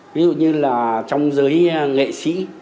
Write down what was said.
ví dụ như là trong giới nghệ sĩ